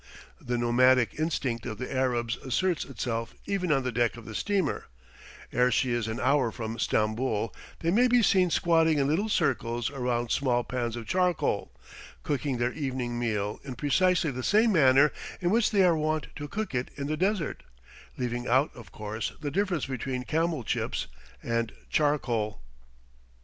The nomadic instinct of the Arabs asserts itself even on the deck of the steamer; ere she is an hour from Stamboul they may be seen squatting in little circles around small pans of charcoal, cooking their evening meal in precisely the same manner in which they are wont to cook it in the desert, leaving out, of course, the difference between camel chips and charcoal.